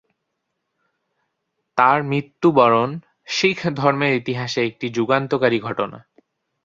তার মৃত্যুবরণ শিখধর্মের ইতিহাসে একটি যুগান্তকারী ঘটনা।